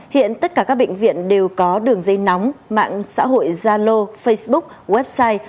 hiện tất cả các bệnh viện đều có đường dây nóng mạng xã hội zalo facebook